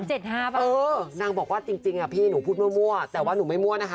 เออนางบอกว่าจริงอ่ะพี่หนูพูดมั่วแต่ว่าหนูไม่มั่วนะคะ